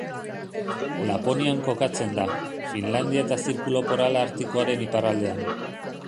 Laponian kokatzen da, Finlandia eta Zirkulu Polar Artikoaren iparraldean.